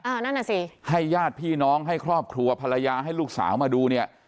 นั่นน่ะสิให้ญาติพี่น้องให้ครอบครัวภรรยาให้ลูกสาวมาดูเนี่ย